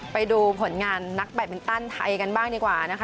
ไปดูผลงานนักแบตมินตันไทยกันบ้างดีกว่านะคะ